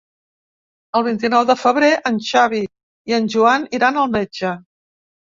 El vint-i-nou de febrer en Xavi i en Joan iran al metge.